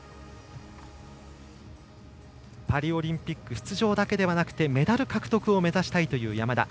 パリオリンピック出場だけではなくてメダル獲得を目指したいという山田。